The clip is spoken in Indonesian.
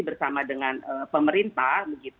bersama dengan pemerintah